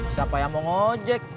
siapa yang mau ngecek